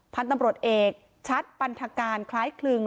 พันธพรตโรศน์เอกชัดปันธการคล้ายคลึง